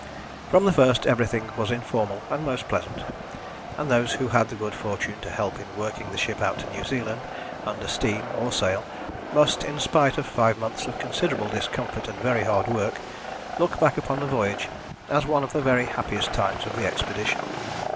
From the first everything was informal and most pleasant, and those who had the good fortune to help in working the ship out to New Zealand, under steam or sail, must, in spite of five months of considerable discomfort and very hard work, look back upon the voyage as one of the very happiest times of the expedition.